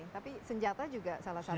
tapi senjata juga salah satu